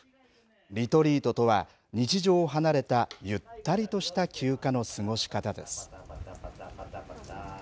リトリートとは、日常を離れたゆったりとした休暇の過ごし方です。